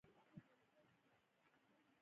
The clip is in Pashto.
په افغانستان کې واوره خورا ډېر زیات اهمیت لري.